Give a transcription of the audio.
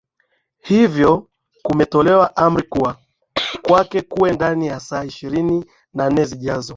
Hivyo kumetolewa amri kuuawa kwake kuwe ndani ya saa ishirini na nne zijazo